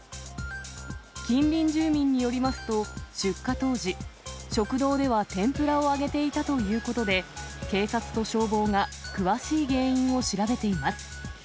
近隣住民によりますと、出火当時、食堂では天ぷらを揚げていたということで、警察と消防が詳しい原因を調べています。